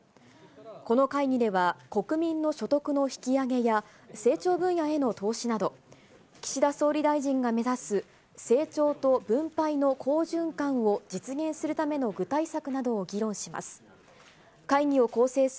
この会議では、国民の所得の引き上げや、成長分野への投資など、岸田総理大臣が目指す、成長と分配の好循環を実現するための具体策などを議論します。